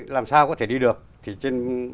làm sao có thể đi được thì trên